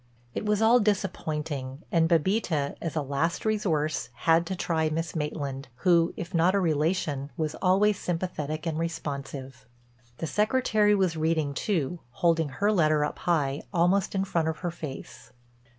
It was all disappointing, and Bébita, as a last resource, had to try Miss Maitland, who, if not a relation, was always sympathetic and responsive. The Secretary was reading too, holding her letter up high, almost in front of her face.